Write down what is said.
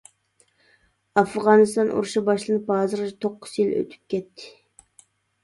ئافغانىستان ئۇرۇشى باشلىنىپ ھازىرغىچە توققۇز يىل ئۆتۈپ كەتتى.